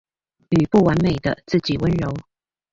與不完美的自己溫柔